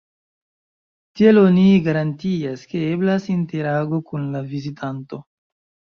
Tiel oni garantias, ke eblas interago kun la vizitanto.